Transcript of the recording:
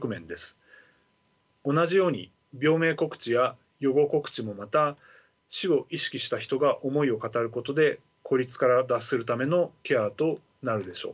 同じように病名告知や予後告知もまた死を意識した人が思いを語ることで孤立から脱するためのケアとなるでしょう。